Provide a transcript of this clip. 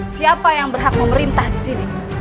siapa yang berhak memerintah disini